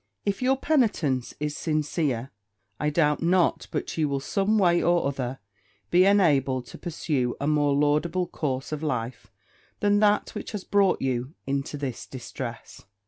If your penitence is sincere, I doubt not but you will, some way or other, be enabled to pursue a more laudable course of life than that which has brought you into this distress.